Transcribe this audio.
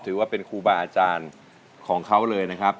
ถือว่าเป็นครูบาอาจารย์ของเขาเลยนะครับ